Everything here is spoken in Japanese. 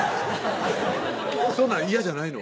そんなん嫌じゃないの？